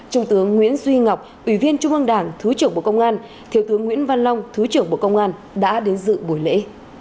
trung tướng nguyễn duy ngọc ủy viên trung ương đảng thứ trưởng bộ công an thiếu tướng nguyễn văn long thứ trưởng bộ công an đã đến dự buổi lễ